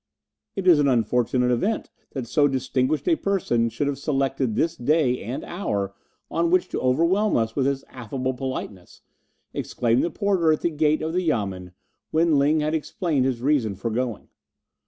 "It is an unfortunate event that so distinguished a person should have selected this day and hour on which to overwhelm us with his affable politeness!" exclaimed the porter at the gate of the Yamen, when Ling had explained his reason for going.